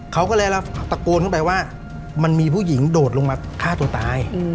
เขาก็เลยตะโกนเข้าไปว่ามันมีผู้หญิงโดดลงมาฆ่าตัวตาย